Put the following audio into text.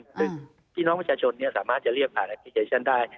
ซึ่งพี่น้องประชาชนสามารถจะเรียกผ่านแอปพลิเคชันได้